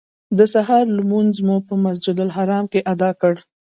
د سهار لمونځ مو په مسجدالحرام کې ادا کړ.